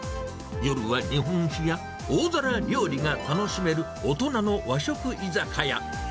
夜は日本酒や大皿料理が楽しめる大人の和食居酒屋。